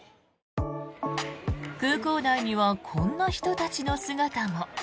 空港内にはこんな人たちの姿も。